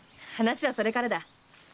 話はそれからだ。